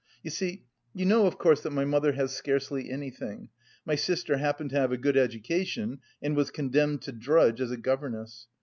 You see, you know of course that my mother has scarcely anything, my sister happened to have a good education and was condemned to drudge as a governess.